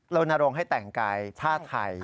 ลนโรงให้แต่งกายท่าไทย